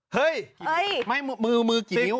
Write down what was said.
เฮ้ยมือกี่นิ้ว